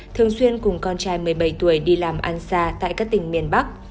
thường xuyên cùng con trai một mươi bảy tuổi đi làm ăn xa tại các tỉnh miền bắc